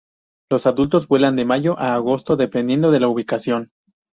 Los adultos vuelan de mayo a agosto, dependiendo de la ubicación.